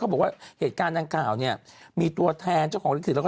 บอกว่าเหตุการณ์ดังกล่าวเนี่ยมีตัวแทนเจ้าของลิขิตแล้วก็